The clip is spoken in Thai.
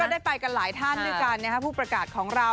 ได้ไปกันหลายท่านด้วยกันนะครับผู้ประกาศของเรา